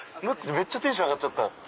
めっちゃテンション上がっちゃった。